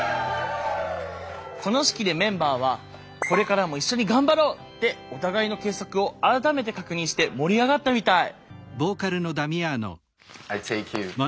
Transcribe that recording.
この式でメンバーはこれからも一緒に頑張ろう！ってお互いの結束を改めて確認して盛り上がったみたい。